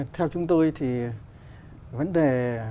theo chúng tôi thì vấn đề